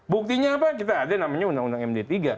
buktinya apa kita ada namanya undang undang md tiga